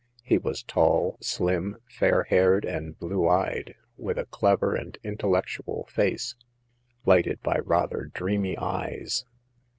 He was tall, slim, fair haired and blue eyed, with a clever and intellectual face, lighted by rather dreamy eyes.